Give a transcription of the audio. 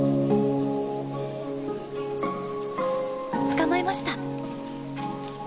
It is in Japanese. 捕まえました。